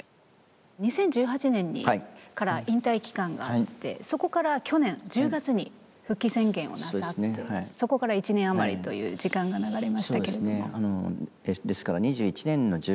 ２０１８年から引退期間があってそこから去年１０月に復帰宣言をなさってそこから１年余りという時間が流れましたけれども。